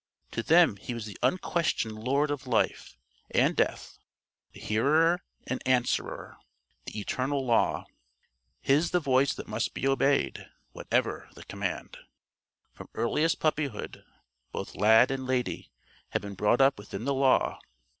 To them he was the unquestioned lord of life and death, the hearer and answerer, the Eternal Law; his the voice that must be obeyed, whatever the command. From earliest puppyhood, both Lad and Lady had been brought up within the Law.